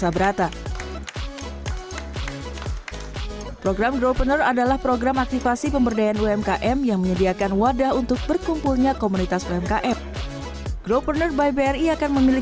bni bni dan bni